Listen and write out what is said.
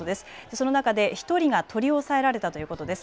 その中で１人が取り押さえられたということです。